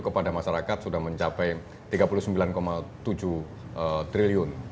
kepada masyarakat sudah mencapai rp tiga puluh sembilan tujuh triliun